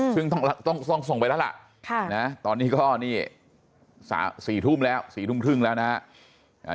ซึ่งต้องส่งไปแล้วล่ะตอนนี้ก็นี่๔ทุ่มแล้ว๔ทุ่มครึ่งแล้วนะฮะ